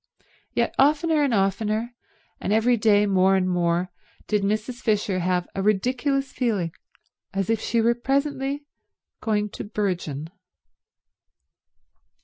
Yet oftener and oftener, and every day more and more, did Mrs. Fisher have a ridiculous feeling as if she were presently going to burgeon.